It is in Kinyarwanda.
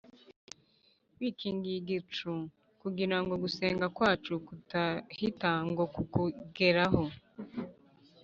Wikingiye igicu, Kugira ngo gusenga kwacu kudahita ngo kukugereho.